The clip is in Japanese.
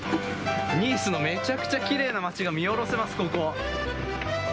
ニースのめちゃくちゃきれいな街が見下ろせます、ここ。